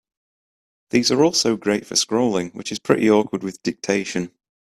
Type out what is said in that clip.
These are also great for scrolling, which is pretty awkward with dictation.